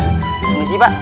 terima kasih pak